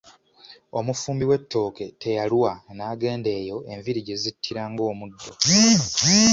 Omufumbi w'ettooke teyalwa n'agenda eyo enviiri gye zittira ng'omuddo.